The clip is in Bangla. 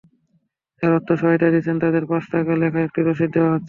যাঁরা অর্থ সহায়তা দিচ্ছেন তাঁদের পাঁচ টাকা লেখা একটি রসিদ দেওয়া হচ্ছে।